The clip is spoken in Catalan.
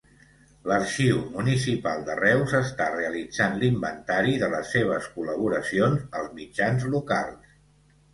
L’Arxiu Municipal de Reus està realitzant l'inventari de les seves col·laboracions als mitjans locals.